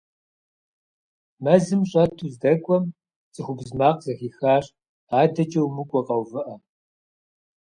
Мэзым щӀэту здэкӀуэм, цӏыхубз макъ зэхихащ: «АдэкӀэ умыкӀуэ, къэувыӀэ!».